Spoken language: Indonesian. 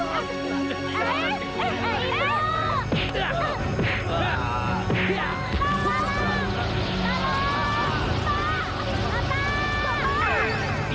ada rampak pak